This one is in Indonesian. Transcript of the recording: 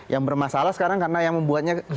yang bermasalah sekarang karena yang membuatnya